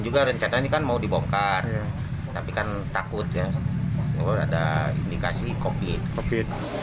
juga rencana ini kan mau dibongkar tapi kan takut ya ada indikasi covid